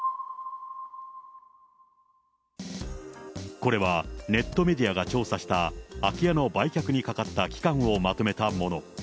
これはネットメディアが調査した、空き家の売却にかかった期間をまとめたもの。